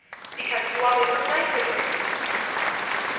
"Because you always look nicer than anyone."